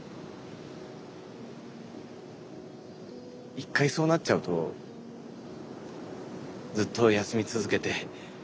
一回そうなっちゃうとずっと休み続けて。